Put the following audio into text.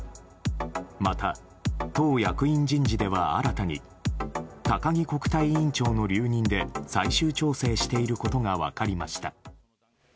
また、党役員人事では新たに高木国対委員長の留任で最終調整していることが分かりました。